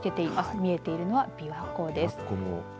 見えているのは琵琶湖です。